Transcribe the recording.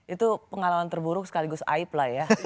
itu pengalaman terburuk sekaligus aib lah ya